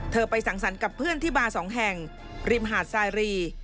ไปสั่งสรรค์กับเพื่อนที่บาร์๒แห่งริมหาดสายรี